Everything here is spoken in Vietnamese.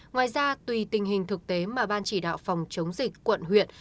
ngoài ra tùy tình hình thực tế mà ban chỉ đạo phòng chống dịch quận huyện